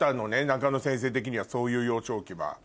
中野先生的にはそういう幼少期は。